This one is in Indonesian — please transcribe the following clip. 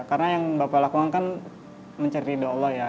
karena yang bapak lakukan kan mencari doa allah ya